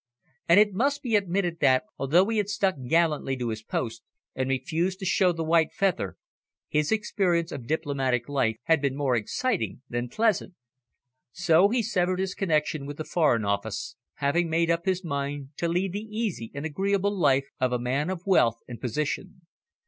And it must be admitted that, although he had stuck gallantly to his post, and refused to show the white feather, his experience of diplomatic life had been more exciting than pleasant. So he severed his connection with the Foreign Office, having made up his mind to lead the easy and agreeable life of a man of wealth and position.